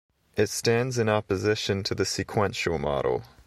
It stands in opposition to the sequential model.